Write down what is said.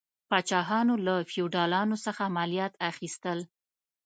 پاچاهانو له فیوډالانو څخه مالیات اخیستل.